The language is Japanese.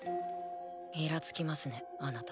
イラつきますねあなた。